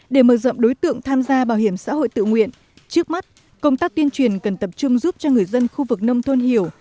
để mở rộng đối tượng tham gia bảo hiểm xã hội tự nguyện trước mắt công tác tuyên truyền cần tập trung giúp cho người dân khu vực nông thôn hiểu